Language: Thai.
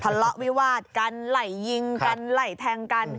ทะเลาะวิวาดกันไหล่ยิงกันไหล่แทงกัน